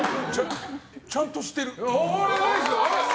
ちゃんとしてる。